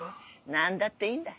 なんだっていいんだ。